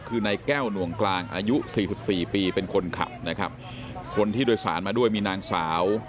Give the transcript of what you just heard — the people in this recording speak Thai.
คือนายแก้วหน่วงกลางอายุสี่สิบสี่ปีเป็นคนขับนะครับคนที่โดยสารมาด้วยมีนางสาว